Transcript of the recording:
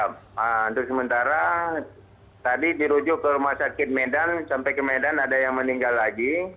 nah untuk sementara tadi dirujuk ke rumah sakit medan sampai ke medan ada yang meninggal lagi